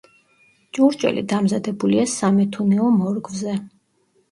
ჭურჭელი დამზადებულია სამეთუნეო მორგვზე.